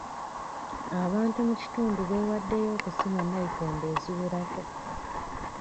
Abantu mu kitundu beewaddeyo okusima nayikondo eziwerako.